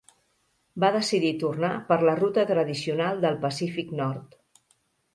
Va decidir tornar per la ruta tradicional del Pacífic Nord.